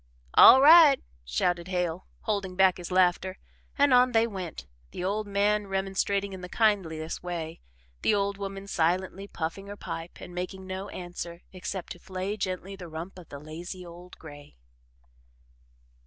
"All right," shouted Hale, holding back his laughter, and on they went, the old man remonstrating in the kindliest way the old woman silently puffing her pipe and making no answer except to flay gently the rump of the lazy old gray.